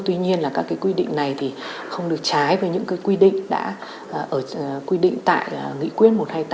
tuy nhiên các quy định này không được trái với những quy định tại nghị quyết một trăm hai mươi tám